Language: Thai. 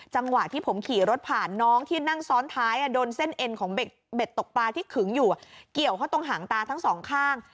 จังหวะที่ผมขี่รถผ่านน้องที่นั่งซ้อนท้ายโดนเส้นเอ็นของเบ็ดตกปลาที่ขึงอยู่เกี่ยวเขาตรงหางตาทั้งสองข้าง